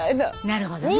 なるほどね。